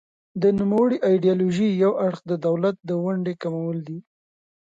د نوموړې ایډیالوژۍ یو اړخ د دولت د ونډې کمول دي.